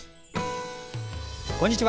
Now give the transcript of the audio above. こんにちは。